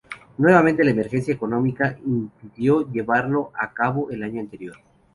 Nuevamente la emergencia económica impidió llevarlo a cabo el año anterior.